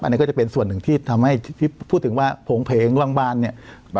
อันนี้ก็จะเป็นส่วนหนึ่งที่ทำให้ที่พูดถึงว่าโผงเพงร่างบานเนี่ย